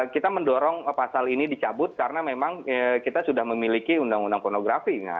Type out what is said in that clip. kita mendorong pasal ini dicabut karena memang kita sudah memiliki undang undang pornografi